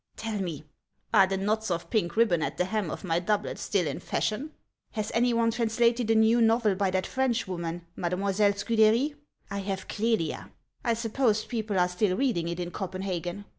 Tell me, are the knots of pink rib bon at the hem of my doublet still in fashion ? Has any one translated a new novel by that Frenchwoman, Made moiselle Scude'ry ? I have ' Clelia ;' I suppose people are still reading it in Copenhagen.